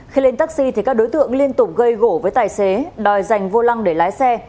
khi lên taxi thì các đối tượng liên tục gây gỗ với tài xế đòi dành vô lăng để lái xe